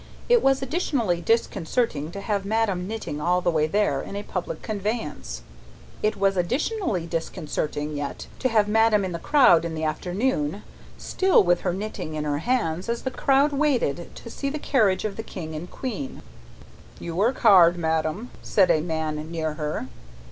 It was additionally disconcerting to have madame knitting all the way there, in a public conveyance; it was additionally disconcerting yet, to have madame in the crowd in the afternoon, still with her knitting in her hands as the crowd waited to see the carriage of the King and Queen. "You work hard, madame," said a man near her.